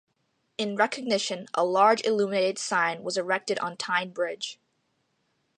In recognition, a large illuminated sign was erected on Tyne Bridge.